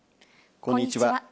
こんにちは。